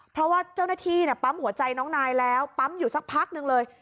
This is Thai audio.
เพราะว่าเจ้าหน้าที่ปั๊มหัวใจน้องนายแล้วปั๊มอยู่สักพักนึงเลย